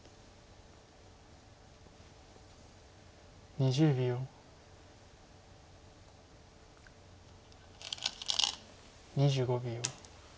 ２５秒。